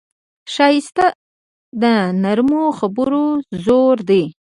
ښایست د نرمو خبرو زور دی